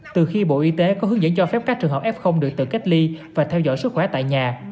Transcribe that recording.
từ khi bộ y tế có hướng dẫn cho phép các trường hợp f được tự cách ly và theo dõi sức khỏe tại nhà